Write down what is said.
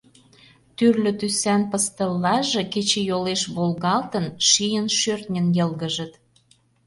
Тӱрлӧ тӱсан пыстыллаже, кечыйолеш волгалтын, шийын-шӧртньын йылгыжыт.